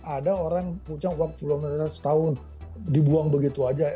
ada orang yang punya waktu puluhan miliar setahun dibuang begitu aja